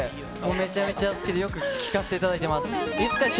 めちゃめちゃ好きで、よく聴かせていただいています。